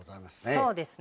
そうですね。